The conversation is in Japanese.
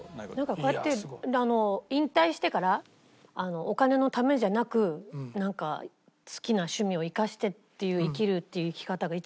なんかこうやって引退してからお金のためじゃなくなんか好きな趣味を生かしてっていう生きるっていう生き方が。